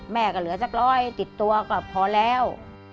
แม่ก็เหลือสักร้อยติดตัวก็พอแล้ว